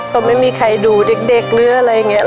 ก็ไม่มีใครดูเด็กหรืออะไรอย่างนี้